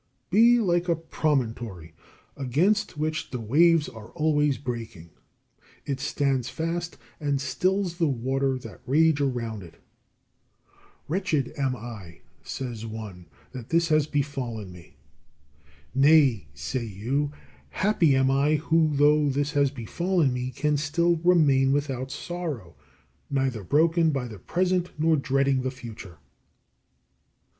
49. Be like a promontory against which the waves are always breaking. It stands fast, and stills the waters that rage around it. "Wretched am I," says one, "that this has befallen me." "Nay," say you, "happy am I who, though this has befallen me, can still remain without sorrow, neither broken by the present nor dreading the future."